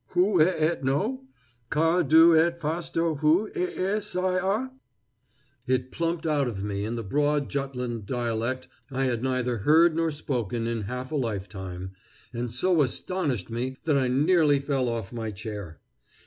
"Hua er et no? Ka do ett fostó hua a sejer?" It plumped out of me in the broad Jutland dialect I had neither heard nor spoken in half a lifetime, and so astonished me that I nearly fell off my chair.